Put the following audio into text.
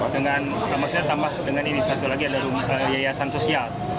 dengan maksud saya tambah dengan ini satu lagi adalah yayasan sosial